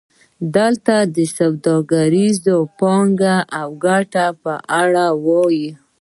دلته د سوداګریزې پانګې او ګټې په اړه وایو